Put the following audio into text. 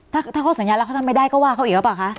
ถ้าเขาสัญญาแล้วเขาทำไม่ได้ก็ว่าเขาอีกหรือเปล่าคะ